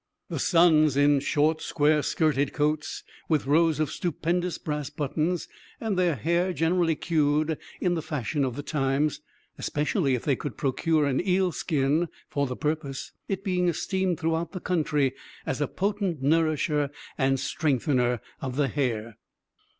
The sons, in short square skirted coats, with rows of stupendous brass buttons, and their hair generally queued in the fashion of the times, especially if they could procure an eelskin for the purpose, it being esteemed throughout the country as a potent nourisher and strengthener of the hair.